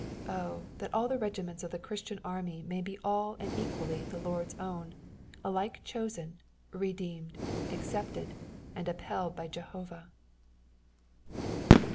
Oh that all the regiments of the Christian army may be all and equally the Lord's own, alike chosen, redeemed, accepted, and upheld by Jehovah.